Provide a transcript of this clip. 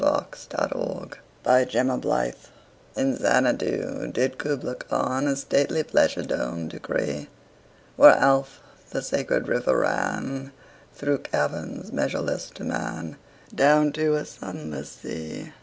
Kubla Khan IN Xanadu did Kubla Khan A stately pleasure dome decree: Where Alph, the sacred river, ran Through caverns measureless to man Down to a sunless sea.